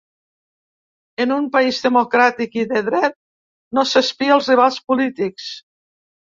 En un país democràtic i de dret no s’espia els rivals polítics.